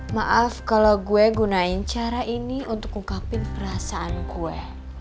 maaf kalau gue gunain cara ini untuk ngungkapin perasaan gue